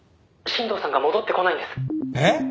「新藤さんが戻ってこないんです」